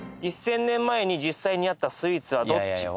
「１０００年前に実際にあったスイーツはどっち？」